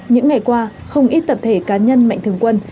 những ngày qua không ít tập thể cá nhân mạnh thường quân